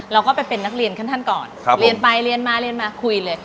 เราก็ไปเป็นนักเรียนขั้นก่อนเรียนไปเรียนมาเรียนมาคุยเลย